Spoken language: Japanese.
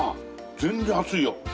全然熱いよ。